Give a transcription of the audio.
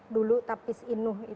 dulu tapis inuh